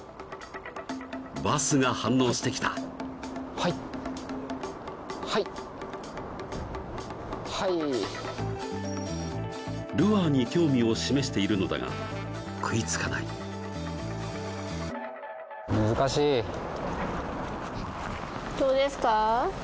はいルアーに興味を示しているのだが食いつかない難しいどうですか？